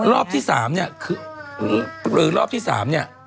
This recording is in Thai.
รอบที่สามเนี่ยคือหรือรอบที่สามเนี่ย